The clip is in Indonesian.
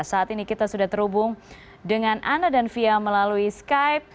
saat ini kita sudah terhubung dengan ana dan fia melalui skype